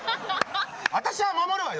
私は守るわよ